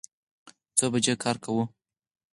څو بجې کار کوئ؟